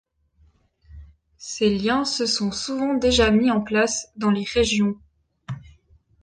Ces liens se sont souvent déjà mis en place dans les régions.